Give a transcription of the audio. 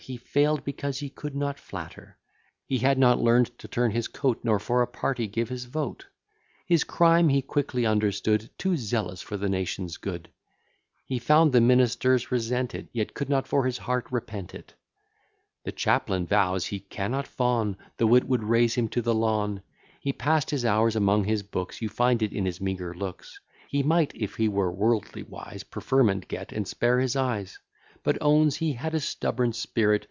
He fail'd, because he could not flatter; He had not learn'd to turn his coat, Nor for a party give his vote: His crime he quickly understood; Too zealous for the nation's good: He found the ministers resent it, Yet could not for his heart repent it. The Chaplain vows, he cannot fawn, Though it would raise him to the lawn: He pass'd his hours among his books; You find it in his meagre looks: He might, if he were worldly wise, Preferment get, and spare his eyes; But owns he had a stubborn spirit.